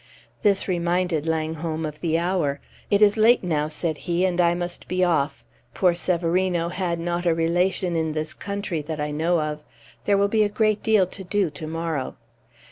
This reminded Langholm of the hour. "It is late now," said he, "and I must be off. Poor Severino had not a relation in this country that I know of. There will be a great deal to do to morrow."